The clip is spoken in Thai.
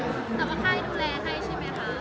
แต่ว่าค่ายดูแลค่ะใช่มั้ยค่ะ